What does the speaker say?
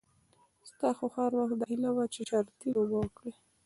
ستا خو هر وخت داهیله وه چې شرطي لوبه وکړې.